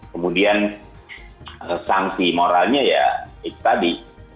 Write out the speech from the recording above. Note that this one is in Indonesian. kemudian sanksi moralnya ya itu tadi